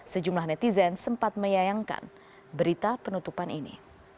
sejumlah netizen sempat menyayangkan berita penutupan ini